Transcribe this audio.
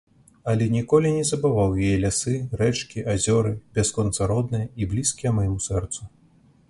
Але ніколі не забываў яе лясы, рэчкі, азёры, бясконца родныя і блізкія майму сэрцу.